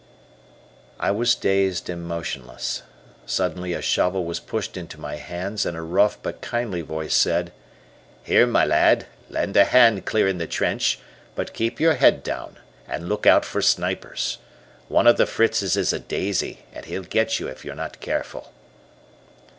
I was dazed and motionless. Suddenly a shovel was pushed into my hands, and a rough but kindly voice said: "Here, my lad, lend a hand clearing the trench, but keep your head down, and look out for snipers. One of the Fritz's is a daisy, and he'll get you if you're not careful."